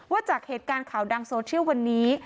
จากเหตุการณ์ข่าวดังโซเชียลวันนี้